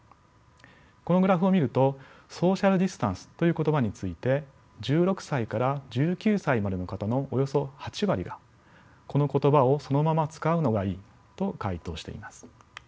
このグラフを見るとソーシャルディスタンスという言葉について１６歳から１９歳までの方のおよそ８割がこの言葉をそのまま使うのがいいと回答しています。